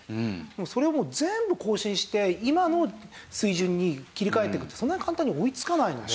でもそれをもう全部更新して今の水準に切り替えていくってそんなに簡単に追いつかないので。